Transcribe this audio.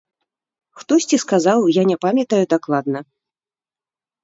Хтосьці сказаў, я не памятаю дакладна.